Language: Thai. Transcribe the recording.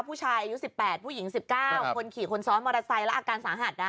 ผู้ชายอายุ๑๘ผู้หญิง๑๙คนขี่คนซ้อนมอเตอร์ไซค์แล้วอาการสาหัส